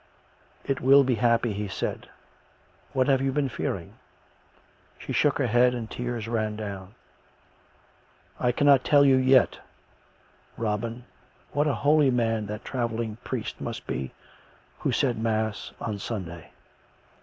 " It will be happy," he said. " What have you been fearing? " She shook her head and the tears ran down. " I cannot tell you yet. ... Robin, what a holy man that travelling priest must be, who said mass on Sun day."